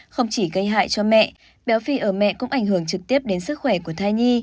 không chỉ gây hại cho mẹ béo phì ở mẹ cũng ảnh hưởng trực tiếp đến sức khỏe của thai nhi